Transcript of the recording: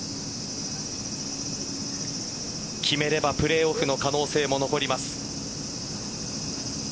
決めればプレーオフの可能性も残ります。